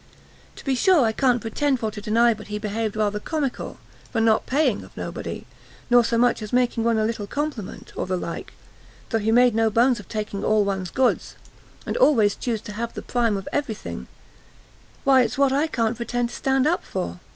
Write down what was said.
To be sure I can't pretend for to deny but he behaved rather comical; for not paying of nobody, nor so much as making one a little compliment, or the like, though he made no bones of taking all one's goods, and always chused to have the prime of every thing, why it's what I can't pretend to stand up for.